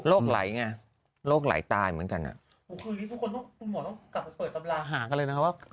โรคไหลไงโรคไหลตายเหมือนกันนะ